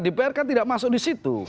dpr kan tidak masuk disitu